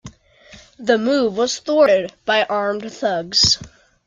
The move was thwarted by armed thugs.